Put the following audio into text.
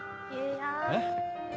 えっ。